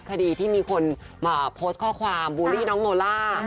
คดีที่มีคนโพสต์ข้อความบูลลี่น้องโมล่า